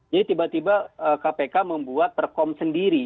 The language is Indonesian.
jadi tiba tiba kpk membuat perkom sendiri